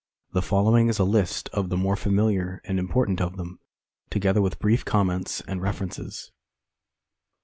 The following is a list of the more familiar and important of them, together with brief comments and references.